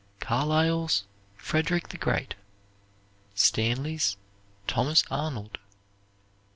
Carlyle's, "Frederick the Great." Stanley's, "Thomas Arnold."